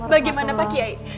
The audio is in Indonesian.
bagaimana pak kiai